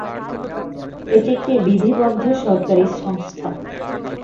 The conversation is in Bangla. এটি একটি বিধিবদ্ধ সরকারি সংস্থা।